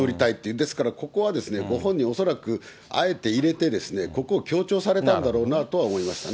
ですから、ここはご本人、恐らくあえて入れて、ここを強調されたんだろうなとは思いましたね。